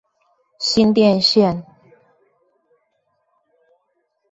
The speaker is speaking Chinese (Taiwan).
新店線